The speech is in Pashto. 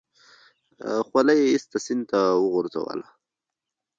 خولۍ يې ايسته سيند ته يې وگوزوله.